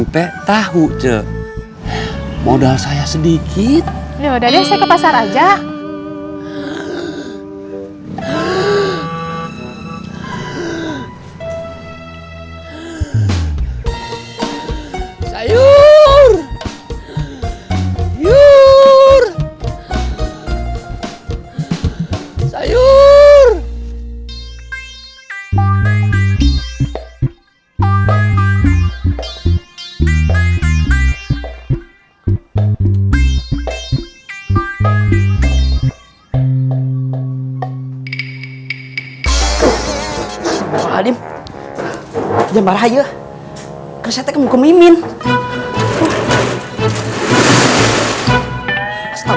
kita mulai dengan kaki kanan